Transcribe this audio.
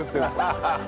ハハハハ。